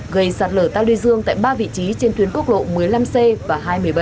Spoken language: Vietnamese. gây sạt lở ta lươi dương tại ba vị trí trên tuyến quốc lộ một mươi năm c và hai mươi bảy